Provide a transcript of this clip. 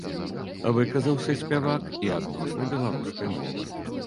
Выказаўся спявак і адносна беларускай мовы.